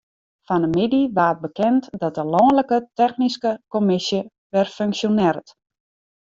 Fan 'e middei waard bekend dat de lanlike technyske kommisje wer funksjonearret.